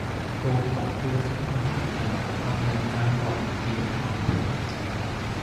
道旁過者問行人，行人但云點行頻。